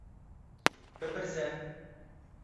Bipirse.